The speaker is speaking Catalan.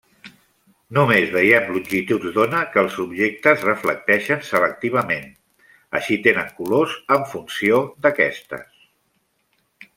Només veiem longituds d'ona que els objectes reflecteixen selectivament; així tenen colors en funció d'aquestes.